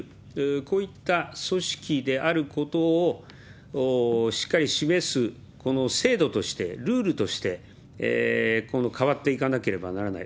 こういった組織であることをしっかり示すこの制度として、ルールとして、変わっていかなければならない。